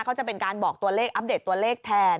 จะเป็นการบอกตัวเลขอัปเดตตัวเลขแทน